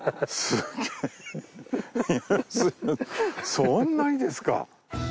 そんなにですか。